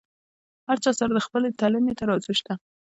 هر چا سره د خپلې تلنې ترازو شته.